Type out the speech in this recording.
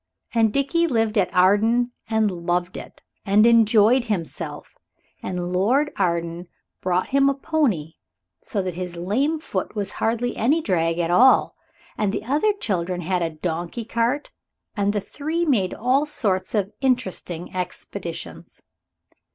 And Dickie lived at Arden and loved it, and enjoyed himself; and Lord Arden bought him a pony, so that his lame foot was hardly any drag at all. The other children had a donkey cart, and the three made all sorts of interesting expeditions.